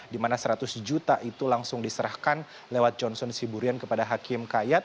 dimana seratus juta itu langsung diserahkan lewat johnson siburian kepada hakim kayat